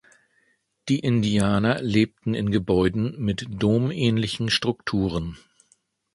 Die Indianer lebten in Gebäuden mit Dom-ähnlichen Strukturen.